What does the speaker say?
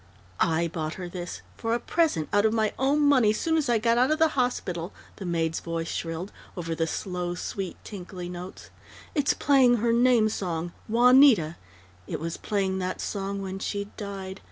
"I bought her this for a present, out of my own money, soon as I got out of the hospital!" the maid's voice shrilled, over the slow, sweet, tinkly notes. "It's playing her name song Juanita. It was playing that song when she died.